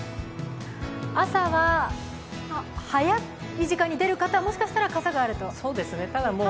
朝は早い時間に出る方はもしかしたら傘があるといいかも。